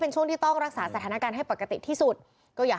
สวัสดีค่ะ